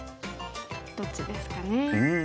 どっちですかね。